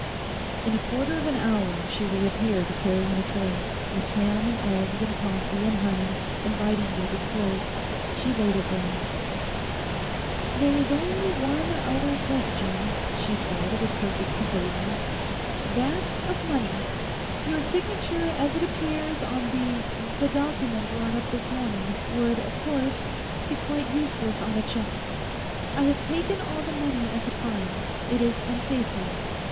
In a quarter of an hour she reappeared carrying a tray, with ham and eggs and coffee and honey invitingly displayed. She laid it down. 'There is only one other question,' she said, with perfect composure—'that of money. Your signature as it appears on the—the document drawn up this morning, would, of course, be quite useless on a cheque. I have taken all the money I could find; it is in safety.